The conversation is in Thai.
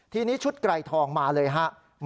ทีนี้ชุดไกรทองมาเลยครับ